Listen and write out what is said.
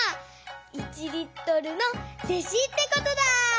１リットルの弟子ってことだ！